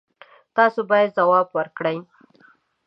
تاسو باید ځواب ورکړئ.